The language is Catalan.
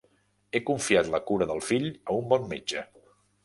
Ha confiat la cura del fill a un bon metge.